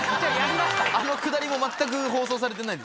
あのくだりも全く放送されてないですし。